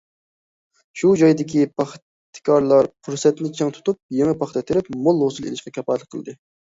شۇ جايدىكى پاختىكارلار پۇرسەتنى چىڭ تۇتۇپ، يېڭى پاختا تېرىپ، مول ھوسۇل ئېلىشقا كاپالەتلىك قىلدى.